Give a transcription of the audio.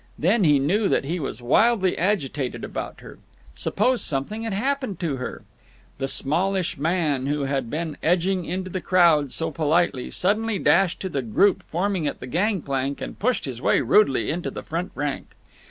Then he knew that he was wildly agitated about her. Suppose something had happened to her! The smallish man who had been edging into the crowd so politely suddenly dashed to the group forming at the gang plank and pushed his way rudely into the front rank.